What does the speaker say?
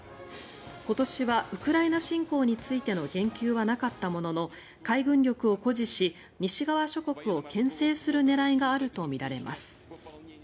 今年はウクライナ侵攻についての言及はなかったものの海軍力を誇示し西側諸国をけん制する狙いがあるとみられます。